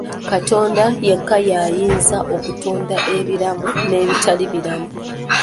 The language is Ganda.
Katonda yekka y'ayinza okutonda ebiramu n'ebitali biramu